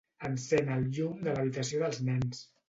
Encén el llum de l'habitació dels nens.